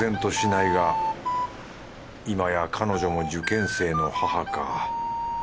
いまや彼女も受験生の母か。